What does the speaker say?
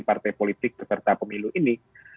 partai politik peserta pemilu ini